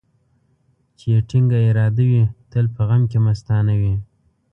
چي يې ټينگه اراده وي ، تل په غم کې مستانه وي.